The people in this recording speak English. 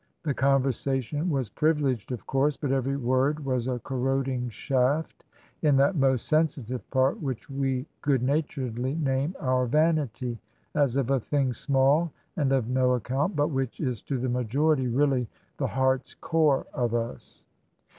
The conversation was " privileged," of course, but every word was a corroding shaft in that most sensitive part which we good naturedly name our " vanity" — as of a thing small and of no ac count — but which is to the majority really the heart's core of us.